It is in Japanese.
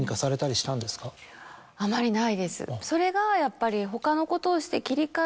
それがやっぱり。